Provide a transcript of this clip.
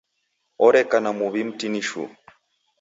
Oreka na muw'i mtini shuu.